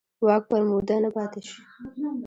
واک پر موده نه پاتې شوي.